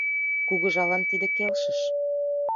Кугыжалан тиде келшыш.